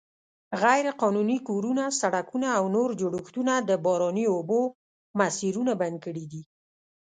غیرقانوني کورونه، سړکونه او نور جوړښتونه د باراني اوبو مسیرونه بند کړي دي.